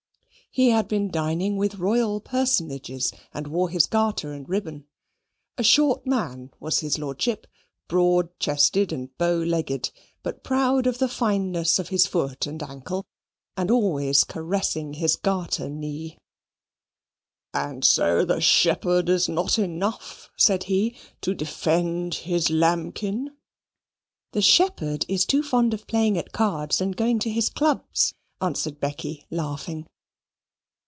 He had been dining with royal personages, and wore his garter and ribbon. A short man was his Lordship, broad chested and bow legged, but proud of the fineness of his foot and ankle, and always caressing his garter knee. "And so the shepherd is not enough," said he, "to defend his lambkin?" "The shepherd is too fond of playing at cards and going to his clubs," answered Becky, laughing.